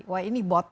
wah ini bot